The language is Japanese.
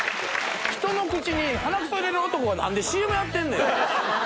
人の口に鼻くそ入れる男がなんでＣＭやってんねん。